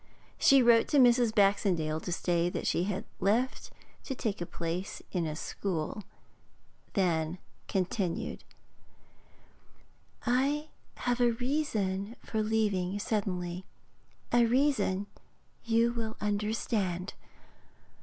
She wrote to Mrs. Baxendale to say that she had left to take a place in a school; then continued: 'I have a reason for leaving suddenly. A reason you will understand.